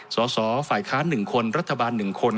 สสฝคหนึ่งคนรคหนึ่งคน